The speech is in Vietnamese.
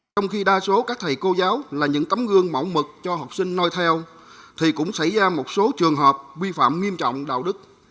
trong khi đa số các thầy cô giáo là những tấm gương mẫu mực cho học sinh nôi theo thì cũng xảy ra một số trường hợp vi phạm nghiêm trọng đạo đức